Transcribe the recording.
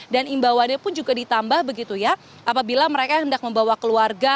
dan imbauannya pun juga ditambah begitu ya apabila mereka yang hendak membawa keluarga